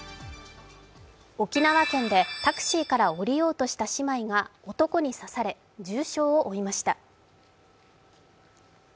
沖縄県でタクシーから降りようとした姉妹が男に刺され、重傷を負いました。